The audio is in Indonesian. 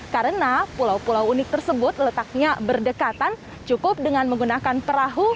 karena pulau pulau unik tersebut letaknya berdekatan cukup dengan menggunakan perahu